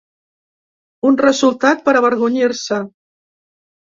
Un resultat per avergonyir-se.